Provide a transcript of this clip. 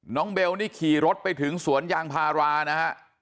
เบลนี่ขี่รถไปถึงสวนยางพารานะฮะ